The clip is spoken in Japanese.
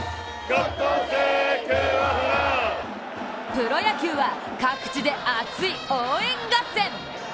プロ野球は各地で熱い応援合戦。